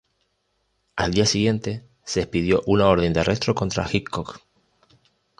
Al día siguiente, se expidió una orden de arresto contra Hickok.